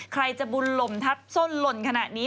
ใครจะบุญหล่มทับส้นหล่นขนาดนี้